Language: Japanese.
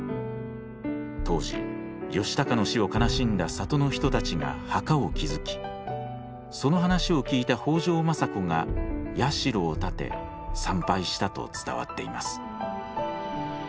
当時義高の死を悲しんだ郷の人たちが墓を築きその話を聞いた北条政子が社を建て参拝したと伝わっています。